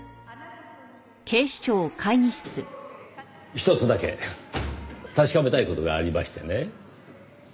ひとつだけ確かめたい事がありましてね。